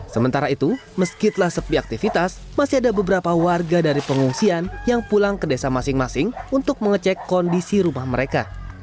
sementara itu meskipun sepi aktivitas masih ada beberapa warga dari pengungsian yang pulang ke desa masing masing untuk mengecek kondisi rumah mereka